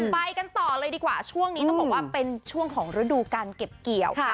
ไปกันต่อเลยดีกว่าช่วงนี้ต้องบอกว่าเป็นช่วงของฤดูการเก็บเกี่ยวค่ะ